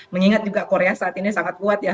mengingat juga korea saat ini sangat kuat ya